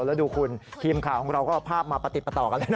แล้วดูคุณทีมข่าวของเราก็เอาภาพมาประติดประต่อกันเลยนะ